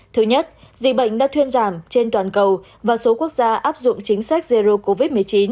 thứ nhất dịch bệnh đã thuyên giảm trên toàn cầu và số quốc gia áp dụng chính sách zero covid một mươi chín